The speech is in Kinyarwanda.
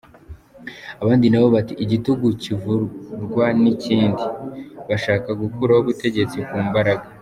Abandi nabo bati igitugu kivurwa n’ikindi, bashaka gukuraho ubutegetsi ku mbaraga.